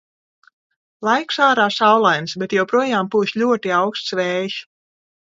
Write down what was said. Laiks ārā saulains, bet joprojām pūš ļoti auksts vējš.